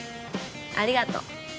ありがと。